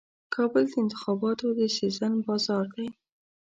کابل د انتخاباتو د سیزن بازار دی.